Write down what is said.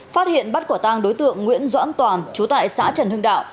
phát hiện bắt quả tang đối tượng nguyễn doãn toàn chú tại xã trần hưng đạo